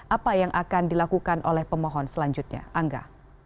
apa yang akan dilakukan oleh pemohon selanjutnya angga